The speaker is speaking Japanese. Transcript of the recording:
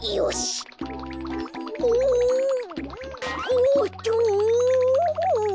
おっとお。